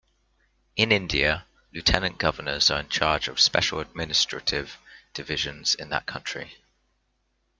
In India, lieutenant governors are in charge of special administrative divisions in that country.